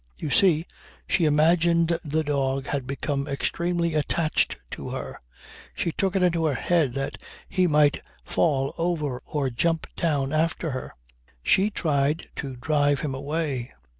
You see, she imagined the dog had become extremely attached to her. She took it into her head that he might fall over or jump down after her. She tried to drive him away.